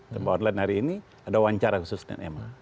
di online hari ini ada wawancara khusus dengan emma